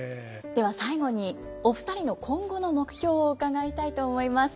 では最後にお二人の今後の目標を伺いたいと思います。